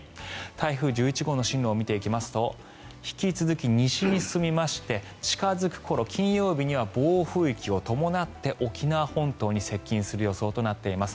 台風１１号の進路を見ていきますと引き続き西に進みまして近付く頃金曜日には暴風域を伴って沖縄本島に接近する予想となっています。